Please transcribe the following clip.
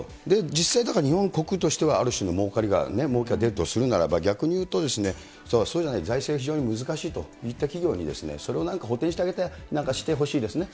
実際、だから日本国としては、ある種のもうけが出るとするならば、逆にいうと、財政は非常に難しいといった企業に、それをなんか、補填してあげたりなんかしてほしいですね。